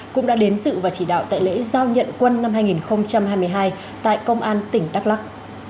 cũng đã đến sự và chỉ đạo tại lễ giao nhận quân năm hai nghìn hai mươi hai tại công an tỉnh đắk lắc